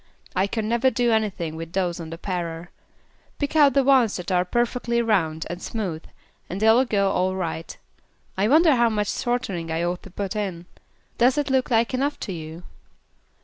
"I can never do anything with those on the parer. Pick out the ones that are perfectly round and smooth, and they will go all right. I wonder how much shortening I ought to put in. Does that look like enough to you?"